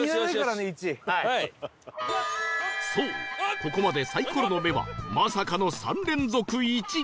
そうここまでサイコロの目はまさかの３連続「１」